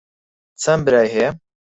چەند برای هەیە؟